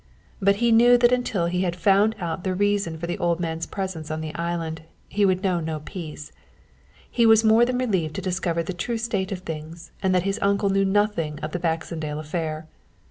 But he well knew that until he had found out the reason of the old man's presence on the island, he would know no peace. He was more than relieved to discover the true state of things and that his uncle knew nothing of the Baxendale affair.